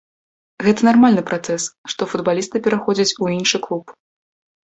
Гэта нармальны працэс, што футбалісты пераходзяць у іншы клуб.